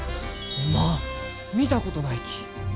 おまん見たことないき。